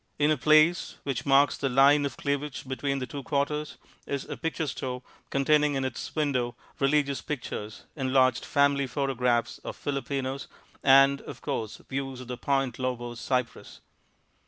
In a place which marks the line of cleavage between the two quarters is a picture store containing in its window religious pictures, enlarged family photographs of Filipinos, and, of course, views of the Point Lobos cypress.